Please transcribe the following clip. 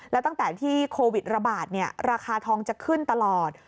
แล้วตั้งแต่ที่โควิดระบาดราคาทองจะขึ้นตลอด